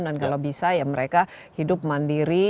dan kalau bisa ya mereka hidup mandiri